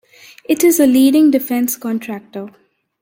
It is a leading defense contractor.